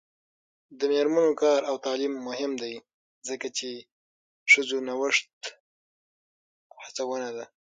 د میرمنو کار او تعلیم مهم دی ځکه چې ښځو نوښت هڅونه ده.